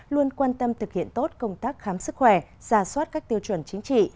luôn quan tâm thực hiện tốt công tác khám sức khỏe giả soát các tiêu chuẩn chính trị